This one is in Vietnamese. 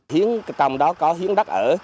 hiến tầm đó có hiến đất ở